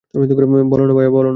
বল না ভায়া।